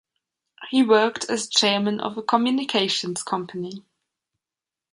He worked as chairman of a communications company.